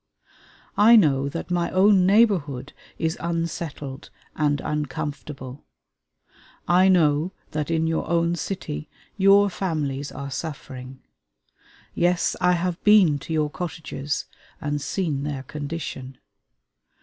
I know that my own neighborhood is unsettled and uncomfortable. I know that in your own city your families are suffering. Yes, I have been to your cottages and seen their condition.